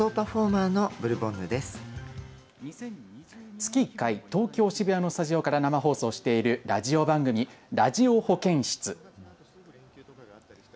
月１回、東京渋谷のスタジオから生放送しているラジオ番組、ラジオ保健室。